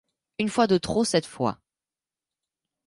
Une fois de trop cette fois.